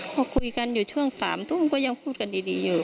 พอคุยกันอยู่ช่วง๓ทุ่มก็ยังพูดกันดีอยู่